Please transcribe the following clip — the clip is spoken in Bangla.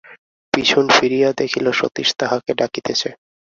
পিছন ফিরিয়া দেখিল সতীশ তাহাকে ডাকিতেছে।